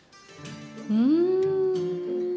うん。